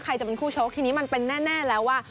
ใครจะเป็นคู่ชกทีนี้มันเป็นแน่แล้วว่า